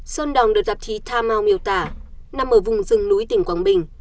sơn đỏng được tạp chí tha mau miêu tả nằm ở vùng rừng núi tỉnh quảng bình